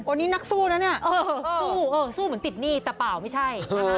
อันนี้นักสู้นะเนี่ยสู้เออสู้เหมือนติดหนี้แต่เปล่าไม่ใช่นะคะ